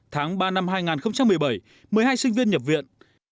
tháng ba năm hai nghìn một mươi bảy một mươi hai sinh viên nhập viện